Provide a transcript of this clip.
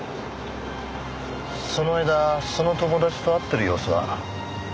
その間その友達と会ってる様子は？